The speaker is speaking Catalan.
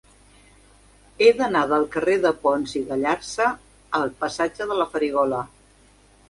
He d'anar del carrer de Pons i Gallarza al passatge de la Farigola.